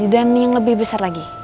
dan yang lebih besar lagi